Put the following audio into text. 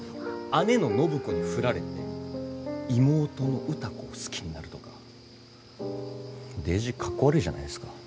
姉の暢子に振られて妹の歌子を好きになるとかデージ格好悪いじゃないですか。